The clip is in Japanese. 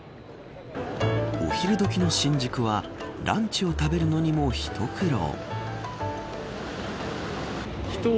お昼どきの新宿はランチを食べるのにも一苦労。